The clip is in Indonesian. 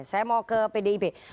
saya mau ke pdip